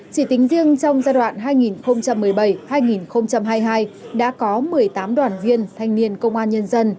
chỉ tính riêng trong giai đoạn hai nghìn một mươi bảy hai nghìn hai mươi hai đã có một mươi tám đoàn viên thanh niên công an nhân dân